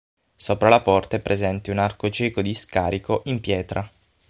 Sopra la porta è presente un arco cieco di scarico in pietra.